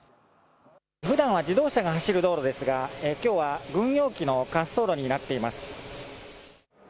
ふだんは自動車が走る道路ですがきょうは軍用機の滑走路になっています。